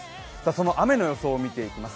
その雨の予想を見ています。